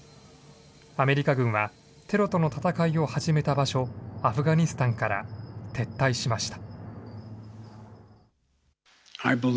アメリカ軍はテロとの戦いを始めた場所、アフガニスタンから撤退しました。